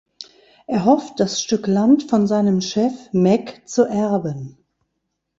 Er hofft das Stück Land von seinem Chef Mac zu erben.